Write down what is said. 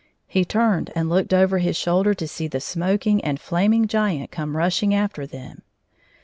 He turned and looked over his shoulder to see the smoking and flaming giant coming rushing after them.